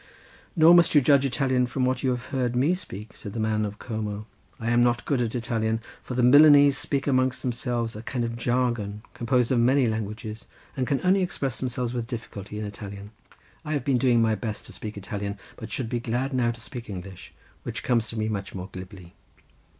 "Nor must you judge of Italian from what you have heard me speak," said the man of Como; "I am not good at Italian, for the Milanese speak amongst themselves a kind of jargon composed of many languages, and can only express themselves with difficulty in Italian. I have been doing my best to speak Italian but should be glad now to speak English, which comes to me much more glibly."